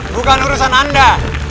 bukan urusan anda